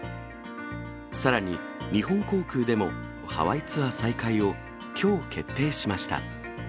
さらに、日本航空でもハワイツアー再開を、きょう決定しました。